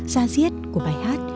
ra diết của bài hát